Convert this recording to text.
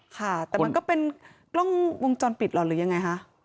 ค่ะแต่มันก็เป็นกล้องวงจรปิดเหรอหรือยังไงคะ